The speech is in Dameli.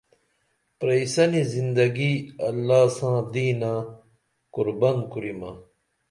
پرئی سنی زندگی اللہ ساں دینہ قربن کُریمہ